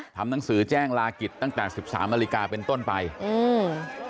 ทำหนังสือแจ้งลากิจตั้งแต่สิบสามนาฬิกาเป็นต้นไปอืม